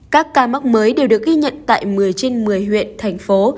các ca mắc mới đều được ghi nhận tại một mươi trên một mươi huyện thành phố